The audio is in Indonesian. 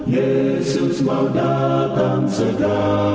yesus mau datang segera